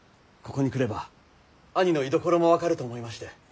ここに来れば兄の居所も分かると思いまして。